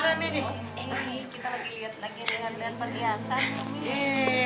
kita lagi lihat lagi dengan belian perhiasan